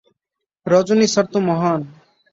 রজনী sir তো মহান!